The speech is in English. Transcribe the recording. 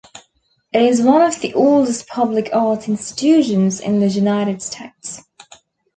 It is one of the oldest public arts institutions in the United States.